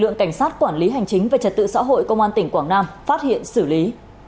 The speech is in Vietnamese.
lực lượng cảnh sát quản lý hành chính về trật tự xã hội công an tỉnh quảng nam phát hiện xử lý